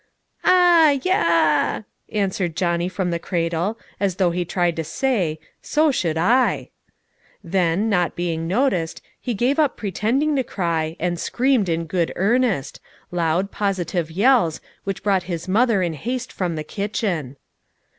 "Ah yah!" answered Johnny from the cradle, as though he tried to say, "So should I." Then, not being noticed, he gave up pretending to cry, and screamed in good earnest, loud, positive yells, which brought his mother in haste from the kitchen.